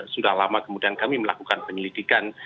sudah lama kemudian kami melakukan penyelidikan